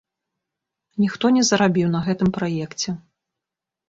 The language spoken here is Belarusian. Ніхто не зарабіў на гэтым праекце.